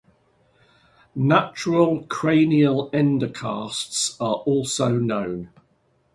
Natural cranial endocasts are also known.